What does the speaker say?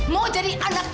mau jadi anak